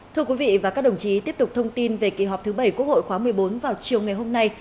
thưa quý vị và các đồng chí tiếp tục thông tin về kỳ họp thứ bảy quốc hội khóa một mươi bốn vào chiều ngày hôm nay